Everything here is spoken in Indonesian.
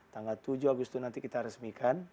tanggal tujuh agustus nanti kita resmikan